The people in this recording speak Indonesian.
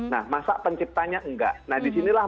nah masa penciptanya enggak nah disinilah